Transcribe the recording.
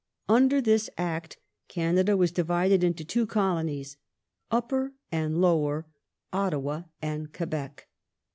Under this Act Canada was divided into two Colonies : LTpper and Lower, Ottawa and Quebec.